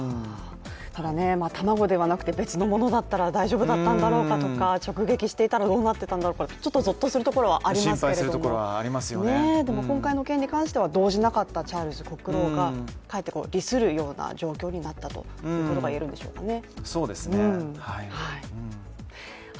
ただ卵ではなくて別のものだったら大丈夫だったのだろうかとか直撃していたらどうなっていたんだろうかとちょっとぞっとするところはありますけれどもでも今回の件に関しては同じなかったチャールズ国王がかえって、利するような状況になったということが言えるんでしょうかね。